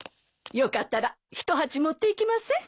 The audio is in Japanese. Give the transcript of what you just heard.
よかったら一鉢持っていきません？